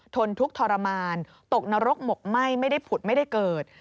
นทุกข์ทรมานตกนรกหมกไหม้ไม่ได้ผุดไม่ได้เกิด